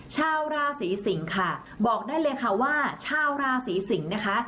ชาวราศีสิงค่ะบอกได้เลยค่ะว่าชาวราศีสิงศ์นะคะ